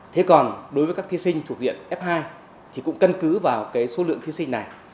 thế còn đối với các thí sinh thuộc diện f hai thì cũng cân cứ vào số lượng thí sinh này